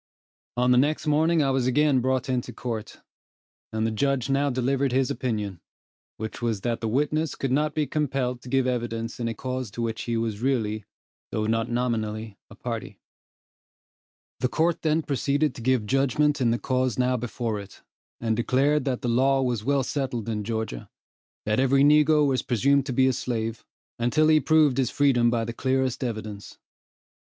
On the next morning I was again brought into court, and the judge now delivered his opinion, which was that the witness could not be compelled to give evidence in a cause to which he was really, though not nominally, a party. The court then proceeded to give judgment in the cause now before it, and declared that the law was well settled in Georgia that every negro was presumed to be a slave, until he proved his freedom by the clearest evidence.